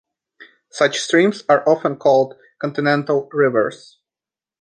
Such streams are often called continental rivers.